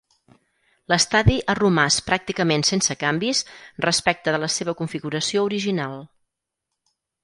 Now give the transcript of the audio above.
L'estadi ha romàs pràcticament sense canvis respecte de la seva configuració original.